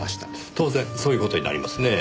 当然そういう事になりますねぇ。